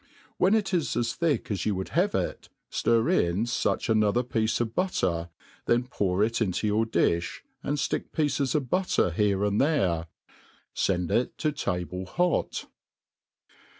When it is as thick as you would have it, fiir in fuch another piece of butter, then pour it into your difh, and ftick pieces of butter here and there. Send it to table hot.